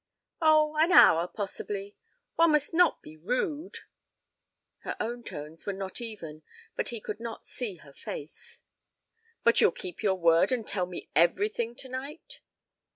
"Oh, an hour, possibly. One must not be rude." Her own tones were not even, but he could not see her face. "But you'll keep your word and tell me everything tonight?"